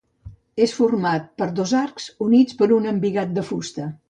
És format per dos arcs, units per un embigat de fusta.